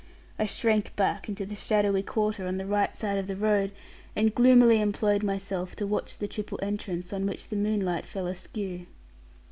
I shrank back into the shadowy quarter on the right side of the road; and gloomily employed myself to watch the triple entrance, on which the moonlight fell askew.